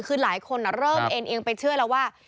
คือหลายคนเริ่มเอ็นเอียงไปเชื่อแล้วว่า